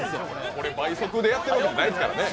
これ、倍速でやってるんじゃないですからね。